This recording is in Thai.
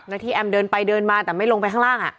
แล้วที่แอมเดินไปเดินมาแต่ไม่ลงไปข้างล่าง